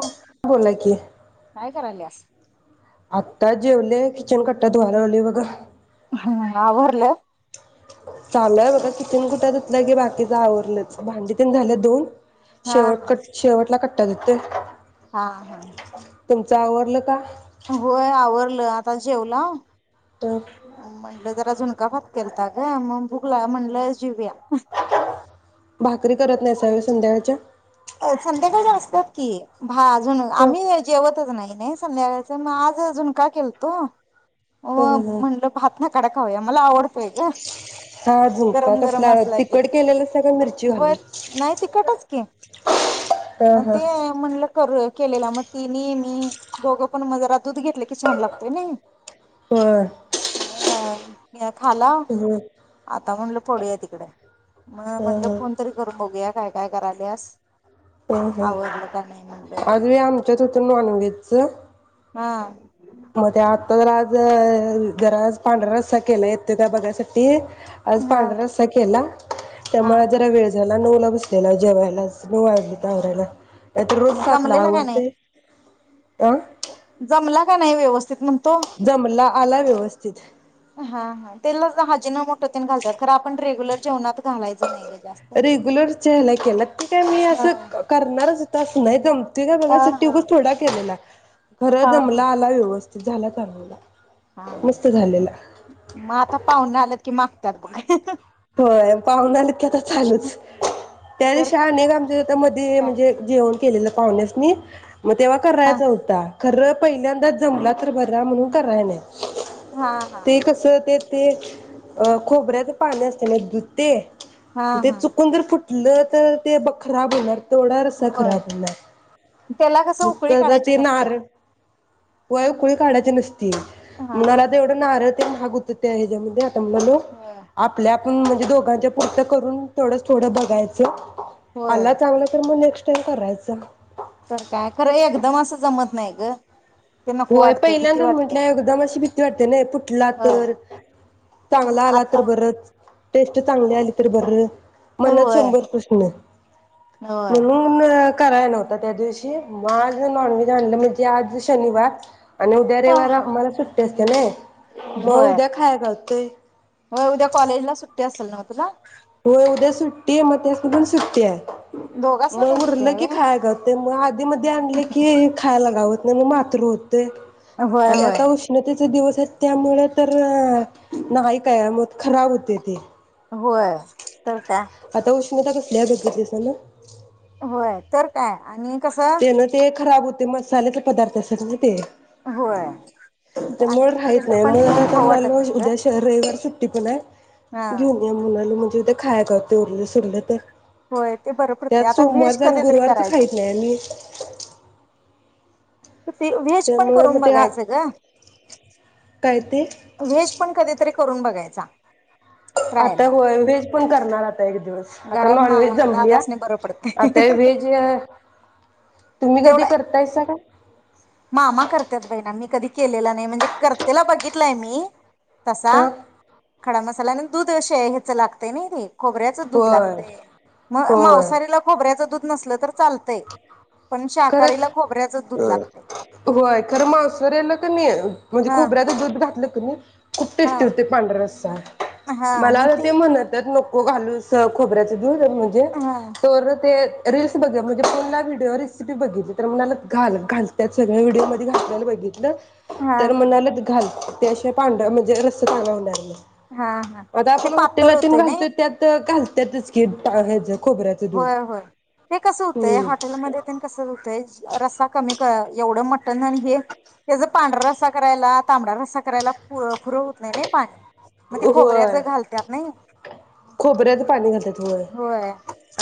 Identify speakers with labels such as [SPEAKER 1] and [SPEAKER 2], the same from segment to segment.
[SPEAKER 1] हो
[SPEAKER 2] बोला की
[SPEAKER 1] काय करायलस
[SPEAKER 2] आत्ता जेवले किचन का धुवळग्कोय बीजी
[SPEAKER 1] हा आवरलं?
[SPEAKER 2] ांम बघा तिती कुठे लगे बाकीच आवरलंच भांडीत झाल्या धून
[SPEAKER 1] हा
[SPEAKER 2] शेवट
[SPEAKER 1] हा
[SPEAKER 2] कट शेवटला कट कट ज ते
[SPEAKER 1] हा हा
[SPEAKER 2] तुमचं आवरलं का
[SPEAKER 1] होय आवरलं आता जेवला
[SPEAKER 2] अ
[SPEAKER 1] म्हणलं जरा जुणका फातकता का मग भुगला म्हणलं जिव्या
[SPEAKER 2] भाकरी करत नाही स संध्याकाळच्या
[SPEAKER 1] अ संध्याकाळी असतात की हा अजून
[SPEAKER 2] ह
[SPEAKER 1] आम्ही जेवतच नाही नाही संध्याकाळच मग आज झुणका केलतो अ
[SPEAKER 2] ह ह
[SPEAKER 1] म्हणलं भ ह कड खाऊया मला आवडतय ग
[SPEAKER 2] हा झुणका
[SPEAKER 1] गरम गरम
[SPEAKER 2] कसला
[SPEAKER 1] असला की
[SPEAKER 2] तिखट केलेलासा का मिरची घालून?
[SPEAKER 1] होय नाही तिकटच की
[SPEAKER 2] ह
[SPEAKER 1] मग
[SPEAKER 2] ह
[SPEAKER 1] ते म्हटलं. केलेला मग ति नेह मी दोघं पण म जरा दूध घेतले की छान लागतोय नाही.
[SPEAKER 2] हम
[SPEAKER 1] ह या खला आता म्हणलं. पुोडूया तिकडे म
[SPEAKER 2] ह
[SPEAKER 1] म्हणलं फोन
[SPEAKER 2] ह
[SPEAKER 1] तरी करू बघूया काय काय कराल्यास?
[SPEAKER 2] हम ह आज आमच्यात हो नॉनव्हेजच
[SPEAKER 1] हम.
[SPEAKER 2] मग ते आत्ता जर आज जराज पांढरा रस्ता केला येतोय काय बघायसाठी आज
[SPEAKER 1] हा
[SPEAKER 2] पांढरा रस्सा केला
[SPEAKER 1] हा
[SPEAKER 2] त्यामुळे
[SPEAKER 1] हा
[SPEAKER 2] जरा वेळ झाला नऊ त्याला जेवायला नऊ वाजलेत
[SPEAKER 1] हा
[SPEAKER 2] आवरायला
[SPEAKER 1] हा
[SPEAKER 2] नाही तर रोज
[SPEAKER 1] मग
[SPEAKER 2] सातला
[SPEAKER 1] जमलेला का नाही
[SPEAKER 2] आवरतय. अ
[SPEAKER 1] जमला का नाही व्यवस्थित म्ह त
[SPEAKER 2] जमला आला व्यवस्थित
[SPEAKER 1] हा हा तेला हजीनं मोठ ते घालतात. आपण रेग्युलर जेवणात घालायच. नाही काय?
[SPEAKER 2] रेग्युलर च्या ह्यान केला ते काय मी अस
[SPEAKER 1] हा
[SPEAKER 2] करणार तस नाही त्यो ते काय
[SPEAKER 1] हा
[SPEAKER 2] बघाय साठी
[SPEAKER 1] हा
[SPEAKER 2] उगच थोडा केलेला. खर
[SPEAKER 1] हा हा
[SPEAKER 2] जमला आला व्यवस्थित झालं [unintelligible]
[SPEAKER 1] हा हा मग आता पाहुन आलंत की मग [unintelligible]
[SPEAKER 2] होय पाहुना आलत की आता चालूच त्या
[SPEAKER 1] तर
[SPEAKER 2] दिवशी अनेक आमच्या मध्ये
[SPEAKER 1] काय
[SPEAKER 2] म्हणजे जेवन केलेलं पाहुंण्यास नी मग तेव्हा
[SPEAKER 1] हा
[SPEAKER 2] करायचा होता खरं पहिल्यांदाच जमला तर बरा म्हणून कराय नाही.
[SPEAKER 1] हा हा
[SPEAKER 2] ते कस ते ते अ खोबऱ्याच पानी असतय. एने जुते
[SPEAKER 1] हा
[SPEAKER 2] ते
[SPEAKER 1] हा
[SPEAKER 2] चुकून जर फुट मग तर ते बग खराब होनार. थोडा रस्सा
[SPEAKER 1] होय
[SPEAKER 2] खराब होणार
[SPEAKER 1] त्याला कसं
[SPEAKER 2] मुक्क
[SPEAKER 1] उकळी
[SPEAKER 2] तर
[SPEAKER 1] काढायची
[SPEAKER 2] ते
[SPEAKER 1] नसत्या.
[SPEAKER 2] नार व्हय उकळी काढायची नसति हम
[SPEAKER 1] हा
[SPEAKER 2] मला ते एवढं नार ते महाग होत त्या हेज्यामंधे
[SPEAKER 1] होय
[SPEAKER 2] [unintelligible] आप आपण म्हणजे दोघांच्या पुरतं करून थोडंच थोडं बघायचं.
[SPEAKER 1] होय.
[SPEAKER 2] आला चांगल तर मग नेक्स्ट तर करायचं.
[SPEAKER 1] तर का
[SPEAKER 2] होय पहिल्यांदाच म्हटलं एकदम अशी भि ती वाटत्या नाय तूप कुठला
[SPEAKER 1] होय.
[SPEAKER 2] तर चांगला आला तर
[SPEAKER 1] आता
[SPEAKER 2] बरंच, टेस्ट चांगली आली तर बरं मनात
[SPEAKER 1] होय.
[SPEAKER 2] शंभर प्रश्न.
[SPEAKER 1] होय.
[SPEAKER 2] म्हणून मग कराय नव्हता त्या दिवशी म आज नॉनव्हेज आणलं मी म्हणजे आज शनिवार. आणि उद्या रविवार आ
[SPEAKER 1] होय
[SPEAKER 2] मला सुट्टी असत्या नाय, म उद्या खाया घाल ते
[SPEAKER 1] होय उद्या कॉलेजला सुट्टी असल न्हव तुला?
[SPEAKER 2] होय उद्या सु्ट्टी म त्या पण सुट्टी हाय.
[SPEAKER 1] दोघासना पण
[SPEAKER 2] मग
[SPEAKER 1] सुट्टी
[SPEAKER 2] उरलं
[SPEAKER 1] आहे
[SPEAKER 2] की
[SPEAKER 1] व्हय.
[SPEAKER 2] खाया घावतयं मग आधी मधी आणलं की खायाला घावत नन मात्र [unintelligible]
[SPEAKER 1] होय
[SPEAKER 2] आणि
[SPEAKER 1] होय.
[SPEAKER 2] आता उष्णतेचं दिवस तर त्यामुळं तर न्हाई काय मग खराब हुतयं ते.
[SPEAKER 1] होय तर काय.
[SPEAKER 2] [unintelligible] आता कसली हाय बघितलिस म्हणल
[SPEAKER 1] होय तर काय आणि कसं
[SPEAKER 2] ते नं ते खराब हुत ते मसाल्याचं पदार्थ असतेत ना ते.
[SPEAKER 1] होय.
[SPEAKER 2] ते
[SPEAKER 1] आणि
[SPEAKER 2] मळ राहित
[SPEAKER 1] फ्रीजला
[SPEAKER 2] नाई
[SPEAKER 1] पण
[SPEAKER 2] मग
[SPEAKER 1] ठेवून
[SPEAKER 2] आता
[SPEAKER 1] खाऊ वाटत
[SPEAKER 2] मला
[SPEAKER 1] नाही ग.
[SPEAKER 2] उद्या श रविवार सु टिकूनाय
[SPEAKER 1] हा.
[SPEAKER 2] घेऊन या मुलाला मग तर ते खाया घावतयं उरलं सुरलं तर.
[SPEAKER 1] होय ते बरं
[SPEAKER 2] त्यात
[SPEAKER 1] पडतयं. आता व्हेज
[SPEAKER 2] सोमवारचं आणि
[SPEAKER 1] कधीतरी
[SPEAKER 2] गुरुवारचं
[SPEAKER 1] करायचा.
[SPEAKER 2] खाईत नाही मी
[SPEAKER 1] ते व्हेज पण
[SPEAKER 2] त्यामुळे मग
[SPEAKER 1] करून
[SPEAKER 2] ते
[SPEAKER 1] बघायचं गं.
[SPEAKER 2] काय ते
[SPEAKER 1] व्हेज पण कधीतरी करून बघायचा.
[SPEAKER 2] आता
[SPEAKER 1] ट्रायला
[SPEAKER 2] होय व्हेज पण करणार, आता एक दिवस. आता
[SPEAKER 1] घरात मा
[SPEAKER 2] नॉनव्हेज जमलीया,
[SPEAKER 1] दादासने बरं पडते
[SPEAKER 2] आता व्हेज अ तुम्ही कधी
[SPEAKER 1] तेवढं
[SPEAKER 2] करतायसा का?
[SPEAKER 1] मामा करत्यात बाई ना मी कधी केलेला नाही. म्हंजे करतेला बघितलाय मी तसा
[SPEAKER 2] ह
[SPEAKER 1] खडामसा ह्याला ना दूध शे हेचं लागतंय नाही ते. खोबऱ्याच दूध
[SPEAKER 2] होय
[SPEAKER 1] लागतंय, म
[SPEAKER 2] होय
[SPEAKER 1] मांसाहारीला खोबऱ्याच दूध नसलं तर चालतंय पण
[SPEAKER 2] खरंच
[SPEAKER 1] शाकाहारीला खोबऱ्याचच दूध लागतंय.
[SPEAKER 2] होय खरं मांसाहारीला क नी अ म्हंजे
[SPEAKER 1] हा
[SPEAKER 2] खोब्याच दूध घातलं तूम्ही. खूप
[SPEAKER 1] हा
[SPEAKER 2] टेस्टी होते पांढर रस्सा.
[SPEAKER 1] हा मग
[SPEAKER 2] मला ते म्हणतात नको हो घालूच खोबऱ्याच होऊ द्या म्हंजे
[SPEAKER 1] हा
[SPEAKER 2] तो वरण ते रील्स बघा म्हं पुन्हा व्हिडिओ रेसिपी बघितल तर, म्हणाल घाल घालत्यात सगळ्या व्हिडिओमध्ये घातल्याल बघितलं.
[SPEAKER 1] हा
[SPEAKER 2] तर
[SPEAKER 1] हा
[SPEAKER 2] म्हणालत घाल. ते अशे पांढर म्हंजे रस [unintelligible] होणार नाई.
[SPEAKER 1] हा हा
[SPEAKER 2] आता
[SPEAKER 1] ते
[SPEAKER 2] आपण
[SPEAKER 1] पातळ
[SPEAKER 2] हॉटेलातून
[SPEAKER 1] होतय नाही
[SPEAKER 2] घालतोय त्यात अ घाल त्यात [unintelligible] टाकाायचं
[SPEAKER 1] होय होय ते कस कसं होतय
[SPEAKER 2] हम्म
[SPEAKER 1] हॉटेलमध्ये त्यानं कसं होतय रस्सा कमी का एवढं म अन हानी हे, हे जर पांढरा रस्सा करायला, तांबडा रस्सा करायला पुर फुरं होत नाही नाही पाणी. म ते खोबऱ्याच घालल्यात नाही.
[SPEAKER 2] खोबर्याच पाणी घालत्यात थोडं.
[SPEAKER 1] होय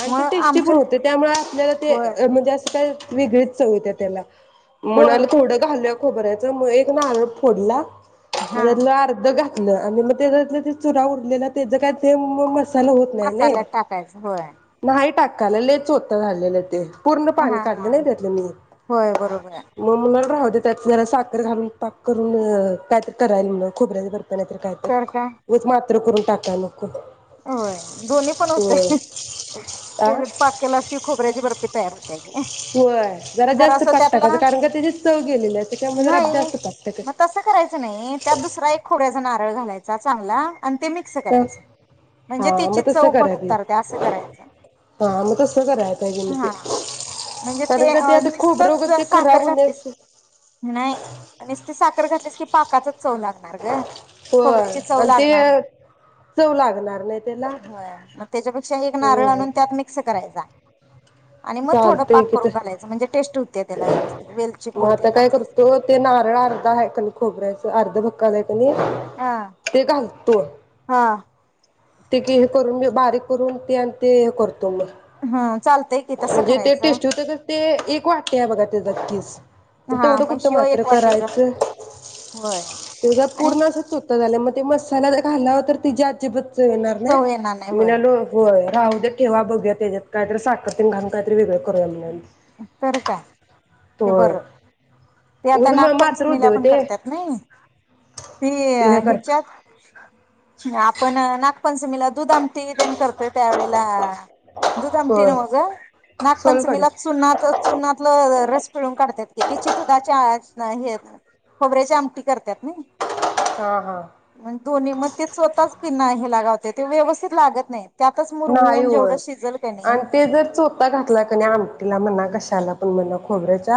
[SPEAKER 2] आन ते
[SPEAKER 1] मग
[SPEAKER 2] टेस्टी पण
[SPEAKER 1] आमच्यात
[SPEAKER 2] होते त्यामुळ आप
[SPEAKER 1] होय
[SPEAKER 2] ते म्हंजे अस काई मी घरी चढवते आता याला. म्हणाला
[SPEAKER 1] होय
[SPEAKER 2] थोडं घालूया. खबरयच मग एक ना आ फोडला
[SPEAKER 1] हा
[SPEAKER 2] त्याच्यतलं अर्ध घातल आणि मग तेत चुरा उरलेलं त्याच काय सेम ब ल होत नाही
[SPEAKER 1] मसाल्यात टाकायचं होय
[SPEAKER 2] नाही टाक [unintelligible] पूर्ण
[SPEAKER 1] हा
[SPEAKER 2] पाणी काढल
[SPEAKER 1] हा
[SPEAKER 2] नाही त्यातल मी
[SPEAKER 1] होय बरोबर आहे
[SPEAKER 2] म म्हणून राहूदे म्हटल. त्यात जरा साखर घालून पाक करून काय तरी कराईल मग खोबऱ्याच्या ब
[SPEAKER 1] तर काय
[SPEAKER 2] [unintelligible] मात्र करून टाकाय नको.
[SPEAKER 1] होय दोन्ही पण
[SPEAKER 2] होय आ
[SPEAKER 1] होतय पाक केलास कि खोबऱ्याची बर्फी तयार होतीया की
[SPEAKER 2] होय जरा जास्त
[SPEAKER 1] जरासं
[SPEAKER 2] पाक टाकायचं
[SPEAKER 1] त्यातला
[SPEAKER 2] कारण का त्याची चव गेलेली आहे त्याच्यामुळे जरा
[SPEAKER 1] नाही
[SPEAKER 2] जास्त पाक
[SPEAKER 1] मग
[SPEAKER 2] टाकायचं
[SPEAKER 1] तसं करायचं नाही त्यात दुसरा एक खोबऱ्याचा नारळ घालायचा. चांगला. आणि ते मिक्स
[SPEAKER 2] तर
[SPEAKER 1] करायच. म्हणजे
[SPEAKER 2] हा मग
[SPEAKER 1] तची
[SPEAKER 2] तसं
[SPEAKER 1] चव पण
[SPEAKER 2] करा ते
[SPEAKER 1] उतरते अस करायच
[SPEAKER 2] हा मग तसं करायला पाहिजे मग ते
[SPEAKER 1] हा म्हणजे
[SPEAKER 2] कारण
[SPEAKER 1] ते
[SPEAKER 2] का आता खोबरं
[SPEAKER 1] नसतच
[SPEAKER 2] वगैरे ते खराब
[SPEAKER 1] साखर घातली
[SPEAKER 2] होण्यास
[SPEAKER 1] नती साखर घातलीस की पाकाच चव लागणार ग
[SPEAKER 2] होय
[SPEAKER 1] खोबऱ्याची चव
[SPEAKER 2] आणि ते
[SPEAKER 1] लागणार नाही.
[SPEAKER 2] चव लागणार नाही त्याला
[SPEAKER 1] होय मग त्याच्यापेक्षा एक नारळ आणून त्यात मिक्स करायचा. आणि मग थोडं
[SPEAKER 2] चालतय
[SPEAKER 1] पाक
[SPEAKER 2] की
[SPEAKER 1] करून घालायचं म्हणजे टेस्ट होते त्याला व्यवस्थित वेलची
[SPEAKER 2] म
[SPEAKER 1] पूड
[SPEAKER 2] आता
[SPEAKER 1] तेन
[SPEAKER 2] काय
[SPEAKER 1] घातलीस की
[SPEAKER 2] करतो ते नारळ आर्धा हाय कनी खोबऱ्याच आर्ध भ - - आणि एक आणि
[SPEAKER 1] हा
[SPEAKER 2] ते घालतो.
[SPEAKER 1] हा
[SPEAKER 2] [unintelligible]
[SPEAKER 1] हा. चालतंय की तसं
[SPEAKER 2] म्हणजे ते
[SPEAKER 1] करायचं
[SPEAKER 2] टेस्टी होते ते एक वाटी आहे बघा तेझा किस
[SPEAKER 1] हा
[SPEAKER 2] तेवढं
[SPEAKER 1] मग
[SPEAKER 2] कुठं
[SPEAKER 1] शिव
[SPEAKER 2] मात्र
[SPEAKER 1] एक वाटीच
[SPEAKER 2] करायचं
[SPEAKER 1] होय
[SPEAKER 2] तेझा
[SPEAKER 1] आणि
[SPEAKER 2] पूर्ण आसा चोता झालाय म - - ते मसाल्यात घालाव तर तेझी आजीबात
[SPEAKER 1] चव येणार नाही होय
[SPEAKER 2] [unintelligible] राहू द्या ठेवा बघूया तेझ्यात काय तर साखर तेन घालून काय तरी वेगळ करूया म्हटलो.
[SPEAKER 1] तर काय. ते बर ते आता
[SPEAKER 2] उगच म मात्र
[SPEAKER 1] नागपंचमीला
[SPEAKER 2] होतंय ओ
[SPEAKER 1] पण
[SPEAKER 2] ते
[SPEAKER 1] करतात नाही ती
[SPEAKER 2] हे कर
[SPEAKER 1] ह्याच्यात - - [unintelligible] आपण नागपंचमीला दुध आमटी तेन कर त्या्यावेळेला दुध अमटी
[SPEAKER 2] होय
[SPEAKER 1] नव्ह ग नाग पंचमी
[SPEAKER 2] सोलकढी
[SPEAKER 1] ला चुन्नात चुनातलं रस पिळून काढतात की त्याची दुधाच्या हे खोबऱ्याच्या आमटी करतात..
[SPEAKER 2] हा हा
[SPEAKER 1] दोन्ही मध्ये छोटा पिण्या घालतोय. ते ते व्यवस्थित लागत नाही. त्यातच
[SPEAKER 2] नाही
[SPEAKER 1] मुरवून
[SPEAKER 2] होय.
[SPEAKER 1] जेवढं शिजल का
[SPEAKER 2] आणि
[SPEAKER 1] नाही
[SPEAKER 2] ते चोता घातला कनी आम - - तिला म्हणा कशाला पण म्हणा खोबऱ्याच्या - -